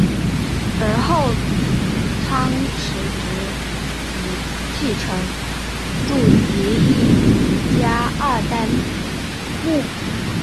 而后仓持直吉继承住吉一家二代目。